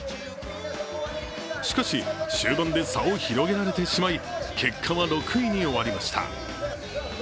しかし、終盤で差を広げられてしまい結果は６位に終わりました。